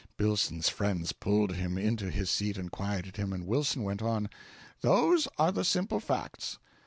Billson's friends pulled him into his seat and quieted him, and Wilson went on: "Those are the simple facts.